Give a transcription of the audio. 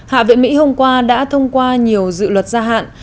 hạ viện mỹ hôm qua đã thông qua nhiều dự luật gia hạn